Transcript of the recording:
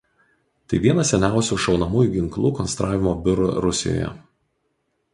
Tai vienas seniausių šaunamųjų ginklų konstravimo biurų Rusijoje.